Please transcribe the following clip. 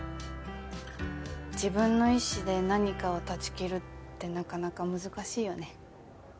自分の意志で何かを断ち切るってなかなか難しいよね。